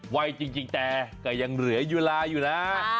วัยจริงแต่ก็ยังเหลือเวลาอยู่นะ